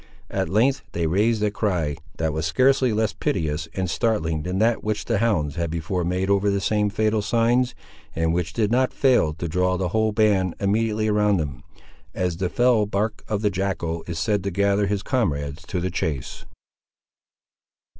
At length they raised a cry, that was scarcely less piteous and startling than that which the hounds had before made over the same fatal signs, and which did not fail to draw the whole band immediately around them, as the fell bark of the jackal is said to gather his comrades to the chase.